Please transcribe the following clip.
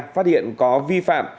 phát hiện có vi phạm